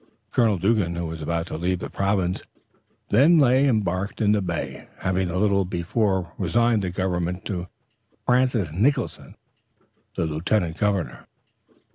Colonel Dougan, who was about to leave the province, then lay embarked in the bay, having a little before resigned the government to Francis Nicholson, the lieutenant governor.